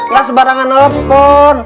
gak sebarangan telepon